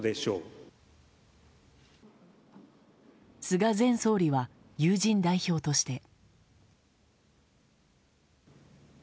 菅前総理は友人代表として。